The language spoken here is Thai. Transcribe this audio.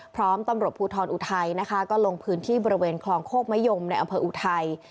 พร้อมตำรวจภูทรอุทัยนะคะก็ลงพื้นที่บริเวณคลองโคกมะยมในอำเภออุทัย